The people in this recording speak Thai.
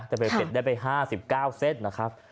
แต่เป็นเซ็ตได้ไป๕๙เซตนะครับ